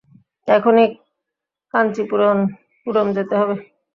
এখনি কাঞ্চিপুরম যেতে হবে।